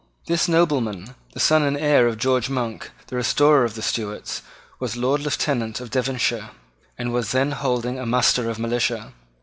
This nobleman, the son and heir of George Monk, the restorer of the Stuarts, was Lord Lieutenant of Devonshire, and was then holding a muster of militia.